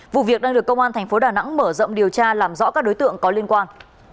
vụ việc đang được công an thành phố đà nẵng mở rộng điều tra làm rõ các đối tượng có liên quan